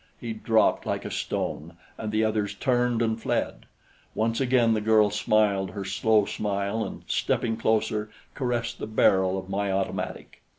He dropped like a stone, and the others turned and fled. Once again the girl smiled her slow smile and stepping closer, caressed the barrel of my automatic.